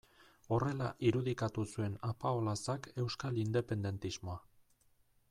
Horrela irudikatu zuen Apaolazak euskal independentismoa.